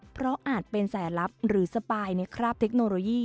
เพราะอาจเป็นสายลับหรือสปายในคราบเทคโนโลยี